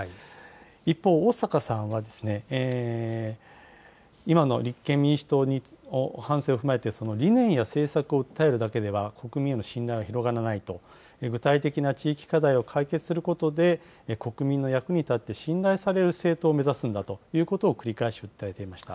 一方、逢坂さんは、今の立憲民主党の反省を踏まえて、理念や政策を訴えるだけでは、国民への信頼は広がらないと、具体的な地域課題を解決することで、国民の役に立って、信頼される政党を目指すんだということを繰り返し訴えていました。